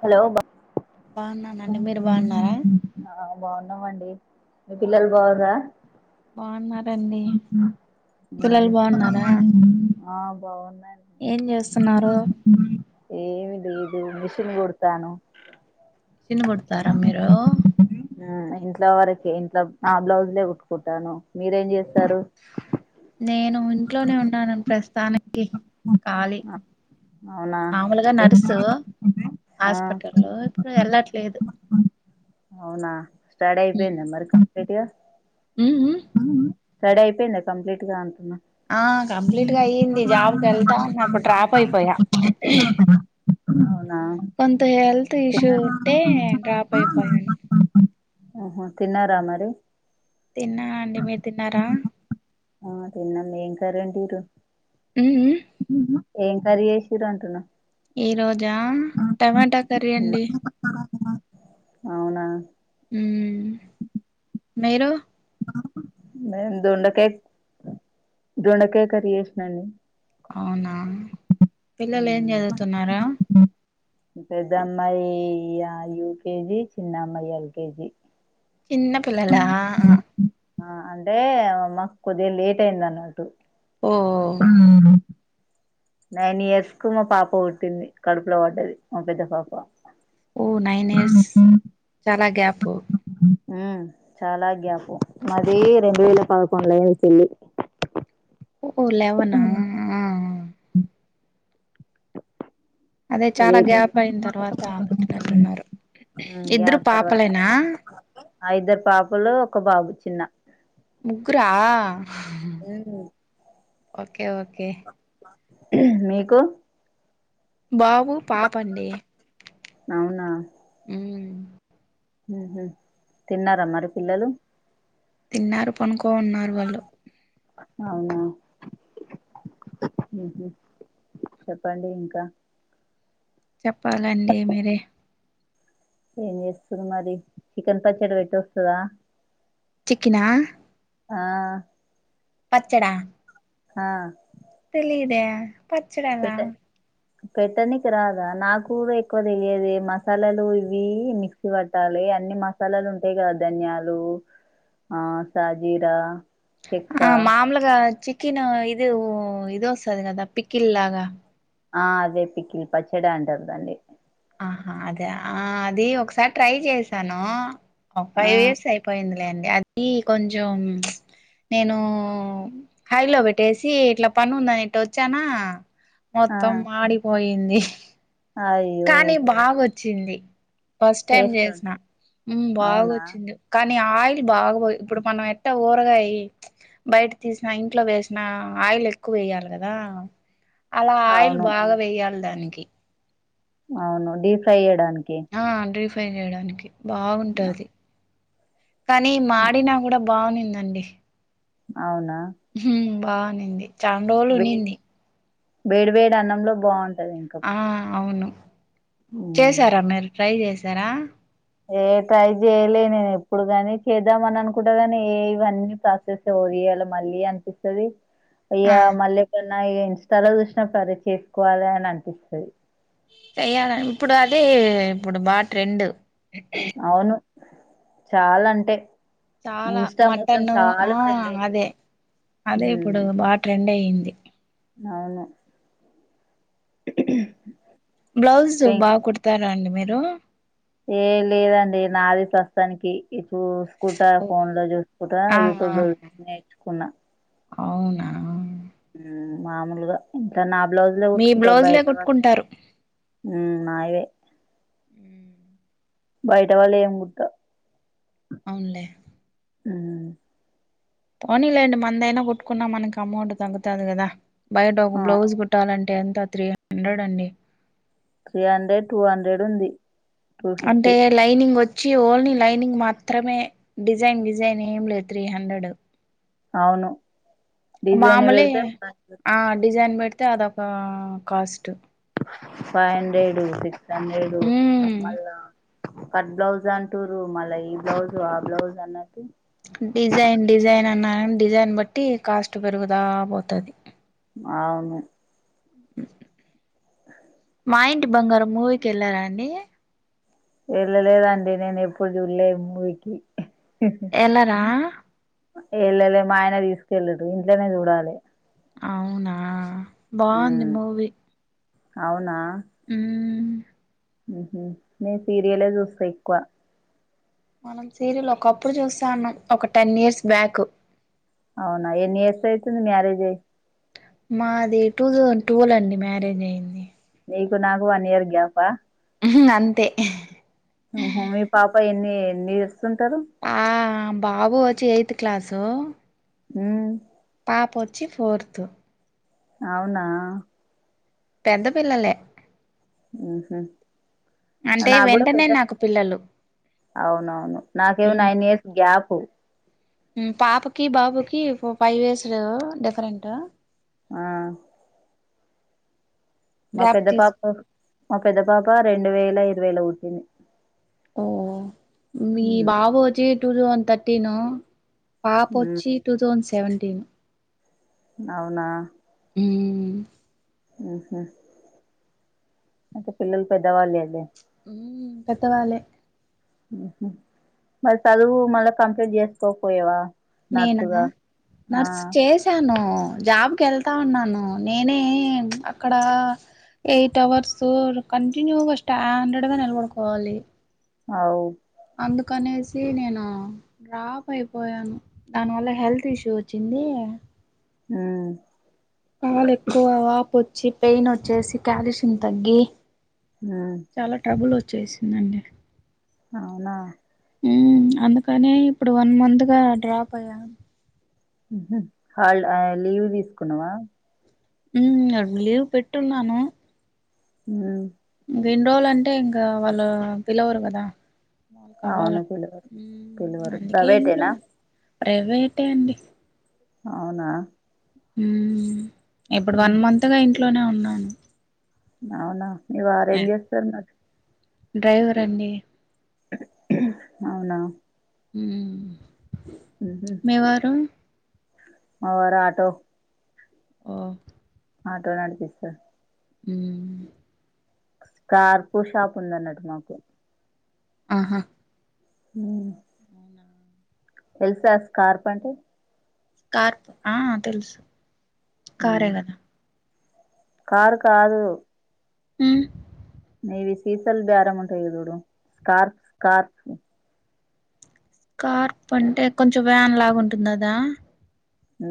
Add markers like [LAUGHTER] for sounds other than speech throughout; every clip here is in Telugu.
హలో బ బాగున్నానండి మీరు బాగున్నారా ఆ బాగున్నాం అండి మీ పిల్లలు బాగుర్రా బాగున్నారండి పిల్లలు బాగున్నారా [UNINTELLIGIBLE] ఆ బాగున్నాండి ఏం చేస్తున్నారు ఏమి లేదు తి నకుడుతాను చిన్ కొడతారా మీరు తిఇంట్లో వరకి ఇంట్లో నా బ్లౌజ్లే కుట్టుకుంటాను మీరేం చేస్తారు కి క్ఖాళీ అవునా మాములుగా నర్సు ఆ హాస్పిటల్లో ఇప్పుడు వెళ్లట్లేదు అవునా స్టడీ అయిపోయింద మరి కంప్లీట్ గా ఉమ్ స్టడీ అయిపోయిందా కంప్లీట్ గా అంటున్నా ఆ అవునా కంప్లీట్గా అయ్యింది జాబ్కి వెళ్తా ఉన్నా డ్రాప్ అయిపోయా కొంత హెల్త్ తిన్న ఇష్యూ ఉంటే డ్రాప్ అయిపోయాను ఓహో తిన్నారా మరి తిన్నా అండి మీరు తిన్నారా ఆ తిన్నాం ఏం కర్రీ అండి రుజు ఉమ్ ఉమ్ ఉమ ఏం కర్రీ చేసిర్రు అంటున్న ఈ రోజా టమాటా కర్రీ అండి అవునా ఉమీరు నేను దొండకాయ దొండకాయ కర్రీ చేసినాండి అవునా పిల్లలు ఏం చదువుతున్నారా పెద్దమ్మాయి యూకేజీ చిన్నమ్మాయి ఎల్కేజి చిన్న పిల్లలా అ ఆ అంటే మాకు కొద్దిగా లేట్ అయింది అన్నట్టు ఉ నైన్ ఇయర్స్ కు మా పాప పుట్టింది కడుపులో పడ్డేది మా పెద్ద పాప ఓ నైన్ ఇయర్స్ చాలా గ్యాపు ఉ చాలా గ్య యి పు మాదిరెండు వేల పదకొండులుచెసింది ఓహ లెవెనా అ ఆ అదే చాలా లేట్ అయింది. గ్యాప్ అయిన తర్వాత పుట్టినట్టున్నారు ఉమ్ ఇద్దరు గ్యాప్ తర్వాత పాపలేనా ఆ ఇద్దరు పాపలు ఒక బాబు చిన్న ముగ్గురా ఉమ్ ఓకే ఓకే మీకు బాబు పాప అండి మ్ హు తిన్నారా మరి పిల్లలు తిన్నారు పనుకో ఉన్నారు వాళ్ళు అవునా మ్ హు చెప్పండి ఇంకా చెప్పాలండి మీరే ఏం చేస్తుంది మరి చికెన్ పచ్చడి పెట్టి వస్తదా చికెనా ఆ పచ్చడా ఆ తెలిదే పచ్చడెలా పెట్ట పెట్టనికి రాదా నాకు కూడా ఎక్కువ తెలియదే మసాలాలు ఇవి మిక్సీ పట్టాలి అన్ని మసాలాలు ఉంటాయి గ దనియాలు ఆ సాజీరా చెక్క ఆ మామూలుగా చి క్కిిన ఇదివో ఇది వస్తది కద పిక్కిిల్లాగా ఆ అదే పిక్కిల్ పచ్చడి అంటారుదండి ఆహా అదే ఆ అది ఒకసారి ట్రై చేశాను ఒక ఆ ఫైవ్ ఇయర్స్ అయిపోయింది లేండి అది ఈ కొంచం నేను హైలో పెట్టేసి ఇట్లా పని ఉందని ఇట్టా వచ్చానా ఆ మొత్తం మాడిపోయింది అయ్యో చింది ఫస్ట్ టైం టేస్ట్ చేసిన బాగ అవునా వచ్చింది కానీ ఆయిల్ బాబోయ్ ఇప్పుడు మనం ఎట్ట పొ గాయి బయట తీసిన ఇంట్లో వేసినా ఆయిల్ ఎక్కువ వేయాలి కదా అలా ఆయిల్ అవును బాగా వేయాలి దానికి అవును డీఫ్రై చేయడానికి ఆ డీప్ ఫ్రై చేయడానికి బాగుంటది కానీ మాడినా కూడా బావునిందండి అవునా బావునింది చాన్రోలు వేడి ఉనింది వేడి వేడి అన్నంలో బావు ఆ అవును ఉమ్. చేసారా మీరు ట్రై చేసారా ఏ ట్రై జేయలే నేను ఎప్పుడు కానీ చేద్దామ అని అనుకుంటా కాని ఏ ఇవన్నీ ప్రాసెస్ అవ్వ ఇయలా మళ్ళీ అనిపిస్తది ఆ అయ్యా మళ్ళీ ఎప్పున్న ఇగ ఇన్స్టాలో చూసినా అప్పుడు అది చేసుకోవాలి అని అనిపిస్తది చెయాల ఇప్పుడు అదే ఇప్పుడు బా ట్రెండు అవును చాలంటే చాలా మటను ఆ ట్రెండ్ అయితుంది అదే అదే ఇప్పుడు ఉమ్ బా ట్రెండ్ అయి అవును బ్లౌజు పెం బాగా కుడతారా అండి మీరు ఏ లేదండి నాది ప్రస్తుతానికి చూసుకుంటా ఓహ్! ఫోన్ ల చూసుకుంటా ఆ ఆ! యూట్యూబ్ లో చూసి నేర్చుకున్నా అవునా హ్ మామూలుగా ఇంక నా బ్లౌజ్లే మీ ఉట్టుకుతా బ్లౌజ్లే బయట వాళ్ళ కుట్టుకుంటారు హ్ నాయే హ్ బయట వాళ్ళు ఏం గుట్ట అవునులే హ్ పోనీలేండి మనదయినా కుట్టుకున్నా మనకి అమౌంట్ తగ్గుతాది కదా బయట ఒక ఆ! బ్లౌజ్ కుట్టాలం టే ఎంత త్రీ హండ్రెడ్ అండి త్రీ హండ్రెడ్ టూ హండ్రెడ్ ఉంది అంటే లైనింగ్ వొచ్చి చ్చి ఓల్ని లైనింగ్ మాత్రమే డిజైన్ డిజైన్ ఏం లేదు త్రీ హండ్రెడ్ అవును డిజైన్ మామూలే పెడితే ఆ డిజైన్ పెడితే అదొక cost five hundred six hundred మ్మ్ మళ్ళా కట్ బ్లౌజ్ అంటురు మళ్ళా ఈ బ్లౌజు ఆ బ్లౌజ్ అన్నట్టు డిజైన్ డిజైన్ అన్నా డిజైన్ బట్టి కాస్ట్ పెరుగుతా పోతది అవును మా ఇంటి బంగారం మూవీకెళ్ళారా అండి వేళ్ళ లేదండి నేను ఎప్పుడు చూడలేే మూవికి ఎల్లరా ఎళ్ళలే మా ఆయన తీసుకెళ్ళడు ఇంట్లనే చూడాలే అవునా బాగుంది హ్మ్. మూవీ అవునా హ్ ఉహ్ నేను సీరియలే చూస్తా ఎక్కువ మనం సీరియల్ ఒకప్పుడు చూస్తా ఉన్నాం ఒక టెన్ ఇయర్స్ బ్యాకు అవునా ఎన్ని ఇయర్స్ అయితుంది మ్యారేజ్ అయ్యి మాది టూ థౌంజడ్ ట్వెల్వ్ అండి మ్యారేజ్ అయింది నీకు నాకు వన్ ఇయర్ గ్యాపా అంతే ఉహ్ మీ పాప ఎన్ని ఎన్ని ఇయర్సుంటారు. ఆ బాబు వచ్చి ఎయిత్ క్లాసు హ్ పాప ఓచ్చి ఫోర్త్ అవునా పెద్ద పిల్లలే ఉహ్ అంటే వెంటనే నాకు పిల్లలు అవునవును నాకేమో నైన్ ఇయర్స్ గ్యాపు హ్ పాపకి బాబుకి ఫోర్ ఫైవ్ ఇయర్స్ డిఫరెంట్ ఆ మా గ్యాప్ పెద్ద తీసుకు పాప్ మా పెద్ద పాప రెండు వేల ఇరవైలో బుట్టింది మీ బాబు వచ్చి టూటుఅన్ తర్టీన్ ఉమ్, పాపొచ్చి టూ తౌన్ సెవెంటీన్ అవునా హ్మ్ ఊహు అంటే పిల్లలు పెద్దవాళ్ళేదే ఉమ్ పెద్దవాలే మరి చదువు మళ్ళ కంప్లీట్ చేసుకోకపోయేవా నేనా నర్సుగా ఆ నర్స్ చేసాను జాబ్కెళ్తా ఉన్నాను నేనే అక్కడ ఎయిట్ అవర్సు కంటిన్యూ గా స్టాండర్డ్ గా నిలబడుకోవాలి ఔ అందుకనేసి నేను డ్రాప్ అయిపోయాను దానివల్ల హెల్త్ ఇష్యూ వచ్చింది మ్మ్ కాలెక్కువ వాపొచ్చి పెయిన్ వచ్చేసి క్యాలిషన్ తగ్గి ఉమ్ చాలా ట్రబుల్ వచ్చేసిందండి అవునా మ్మ్ అందుకనే ఇప్పుడు వన్ మంత్ గా డ్రాప్ అయ్యా హల్ ఆ లీవ్ తీసుకున్నవా మ్మ్ లీవ్ పెట్టున్నాను హ్మ్ ఎన్ రోలంటే ఇంక వాళ్ళు పిలవరు గదా అవును పిలువరు పిలువరు అందుకే ఇంట్లో ప్రైవేటేనా ప్రైవేటే అండి అవునా ఉమ్ ఇప్పుడు వన్ ఉమ్, మంత్గా ఇంట్లోనే ఉన్నాను అవునా మి వారేం చేస్తనర్ డ్రైవర్ అండి అవునా మ్మ్ మీ వారు మావారాటో ఓ ఆటో నడిపిస్త మ్మ్ స్కార్పో షాప్ ఉందన్నట్ మాకు ఆహా మ్మ్ అవునా తెలుసా స్కార్పంటే స్కార్ప్ ఆ తెలుసు ఉమ్. కారే గదా కారు కాదు మ్మ్ నీవి సీసల్ బ్యారం ఉంటయి జూడు స్కార్ఫ్ కార్ కార్ప్ అంటే కొంచెం వ్యాన్ లాగుంటుంది అదా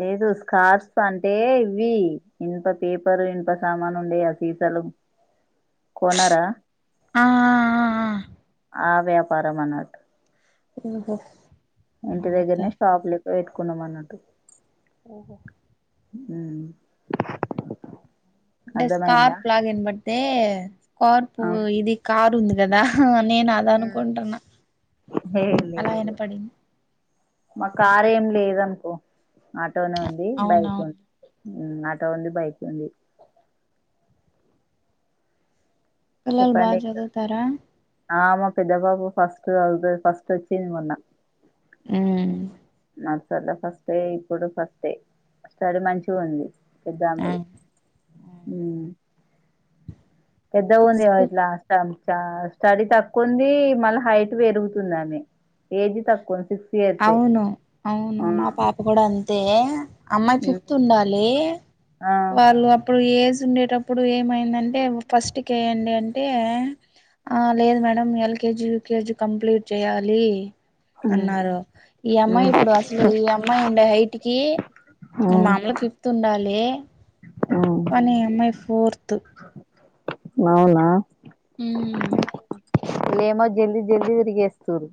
లేదు స్కార్ఫ్స్ అంటే ఇవి ఇన్ప పేపరు ఇన్ప సామానుండే అవి సలుం కొనరా ఆ ఆ, ఆ, ఆ. ఆ వ్యాపారం అనట్ ఉహ ఇంటి దగ్గరనే షాపు లెక్క పెట్టుకున్నాం అన్నట్టు ఓహో మ్ అంటే స్కార్ప్ లాగ ఏన బడితే స్కార్పు ఆ ఇది కార్ ఉంది కదా నేను అద అనుకుంటున్నా ఏ అలా ఈన లేదు పడింది మా కార్ ఏం లేదనుకో ఆటోనే ఉంది బైక్ అవునవును ఉంది ఉ ఆటో ఉంది బైక్ ఉంది పిల్లలు చెప్పండి బాగా ఇంకా చదువుతారా ఆ మా పెద్ద బాబు ఫర్స్ట్ చదువుతాడు ఫస్ట్ వచ్చిండు మొన్న ఉ నర్సరీల ఫస్టే ఇప్పుడు ఫస్టే స్టడీ మంచిగా ఉంది ఆ పెద్దామెది ఉ పెద్దగా ఉంది కదా ఇస్కూ ఇట్లా అస్తం సా స్టడీ తక్కువ ఉంది మళ్ళీ హైట్ పెరుగుతుంది ఆమె ఏజ్ తక్కువ సిక్స్ ఇయర్సే అవును అవును ఆ మా పాప కూడా అంతే అమ్మాయి ఫిఫ్త్ ఉండాలి ఆ వాళ్ళు అప్పుడు ఇప్పుడు ఏజ్ ఉండేటప్పుడు ఏమైందంటే ఫస్ట్ కెయ్యండి అంటే ఆ లేదు మేడం ఎల్కేజీ యూకేజీ కంప్లీట్ చేయాలి ఉమ్ అన్నారు ఈ అమ్మాయి ఉమ్ ఇప్పుడు అసలు ఈ అమ్మాయి ఉండే హైట్ కి మామలు ఫిఫ్త్ ఉ ఉండాలి ఉమ్ కానీ అమ్మాయి ఫోర్త్ అవునా ఉ వీళ్లేమో జల్దీ జల్దీ విరిగేస్తారు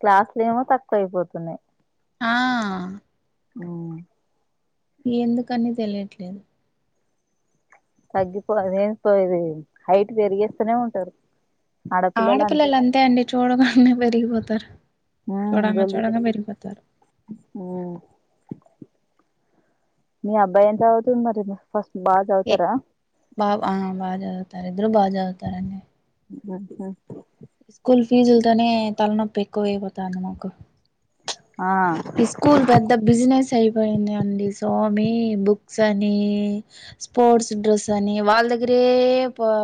క్లాసులు ఏమో తక్కువ అయిపోతున్నాయి ఆ ఓ ఎందుకని తెలియట్లేదు తగ్గిపో అది ఏం పోది హైట్ పెరిగిస్తూనే ఉంటారు ఆడపిల్లలు అంతే అండి చూడగానే పెరిగిపోతారు ఉమ్ చూడాంగా జల్దీ చూడంగా జల్దీ పెరిగిపోతారు మీ అబ్బాయి ఎంత అవుతుంది మరి ఫస్ట్ బాగా ఏ చదువుతారా బాబు ఆ బాజదువుతారు ఇద్దరు బాజదువుతార అం ఆహా స్కూల్ ఫీజులతోనే తలనొప్పి ఎక్కువ అయిపోతుంది మాకు ఆ ఈ స్కూల్ పెద్ద బిజినెస్ అయి పోయింది అండి సో మి బుక్స్ అని స్పోర్ట్స్ డ్రెస్ అని వాళ్ళ దగ్గర ఏ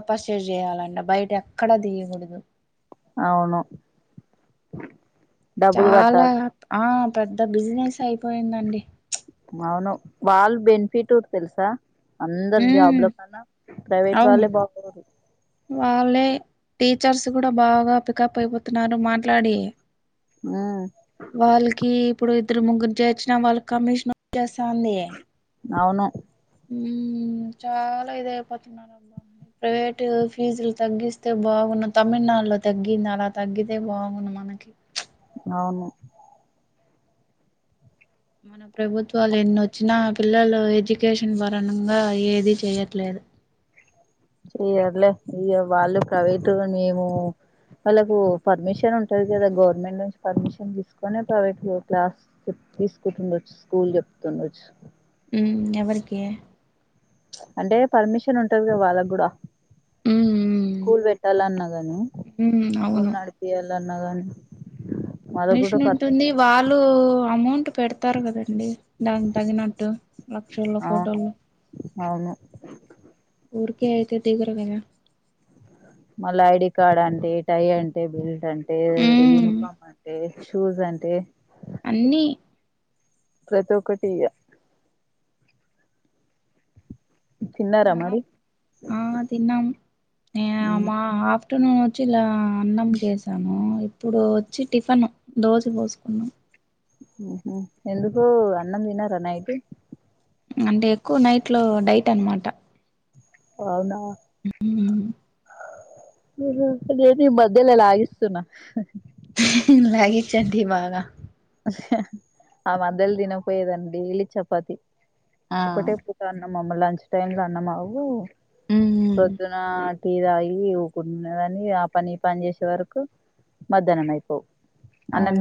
పసేచేయాలంట బయట ఎక్కడా తీయకూడదు అవును డబ్బులు చాలా కట్టాలి ఆ పెద్ద బిజినెస్ అయిపోయిందండి అవును వాళ్లు బెనిఫిట్ ఉరు తెల్సా అందరు ఉమ్ జాబ్ లో కన్నా ప్రైవేట్ అవును వాళ్ళే బాగూరు వాళ్ళే టీచర్స్ కూడా బాగా పికప్ అయిపోతున్నారు మాట్లాడి ఆ వాళ్ళకి ఇప్పుడు ఇద్దరు ముగ్గురు చేసిన వాళ్ళకి కమిషన్ వచ్చేస్తే అందియే అవును ఉమ్ చాలా ఇది అయిపోతు నమ్నం ప్రైవేటు ఫీజులు తగ్గిస్తే బాగున్నా. తమిళనాడులో తగ్గింది అలా తగ్గితే బాగున్నాం. మనకి అవును మన ప్రభుత్వాలు ఏనొచ్చినా పిల్లలు ఎడ్యుకేషన్ వరణంగా ఏది చెయట్లేదు. చెయ్యర్లే ఇగా వాళ్ళు ప్రైవేటుగా మేము వాళ్ళకు పర్మిషన్ ఉంటది గదా గవర్నమెంట్ నుంచి పర్మిషన్ తీసుకొని ప్రైవేట్ గో క్లాస్ చేప్ తీసుకుంటుండొచ్చు స్కూల్ జేప్తుండొచ్ ఉమ్ ఎవరకే అంటే పర్మిషన్ ఉంటదగా వాళ్ళక్ గూడా ఉమ్ ఉమ్ కూల్ వేట్టాలన్నా గాని ఉమ్ కూల్ అవును నడిపియాల్ కనగన్ బిష్మింట్ ఉండి. వాళ్ళు అమౌంటు పెడతారు కదండి దానికి తగినట్టు లక్షలో అవును కోటర్లు అవును ఊరికే అయితే తీగ్రమేగా మళ్ళా ఐడి కార్డ్ అంటే, టై అంటే, బెల్ట్ అంటే, ఉమ్ యూనిఫార్మ్ అంటే, షూస్ అంటే, అన్నీ ప్రత్ ఒకటి ఇయా. తిన్నారా మామ్ మరి ఆ తిన్నమ్ నీయా మాప్. ట్టును చిల్లా అన్నం జేశాము. ఇప్పుడు వచ్చి టిఫన్ దోజ పోసుకున్నాం. హుహ్ ఎందుకో అన్నం తిన్నరా నైటు. అంటే ఎక్కువ నైట్ లో డైట్ అనమాట అవునా ఉమ్, అదే అదేది మధ్యలా లాగిస్తున్నా. లాగిచండి బాగా ఆ మధ్యలో తినపోయేదండి. డైలీ చపాతి ఆ ఒక్కటే పూట అన్నం. మమ్ము లంచ్ పోయింది. లనమ్మాగు ఉమ్ ప్రోద్దున్నా టీ తాగి ఊకున్న దాని ఆ పని ఈ పని చేసే వరకు మధ్యనము అయిపోవు అన్నం అవును దీన్